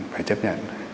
phải chấp nhận